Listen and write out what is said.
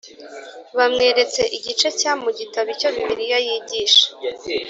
Bamweretse igice cya mu gitabo icyo bibiliya yigisha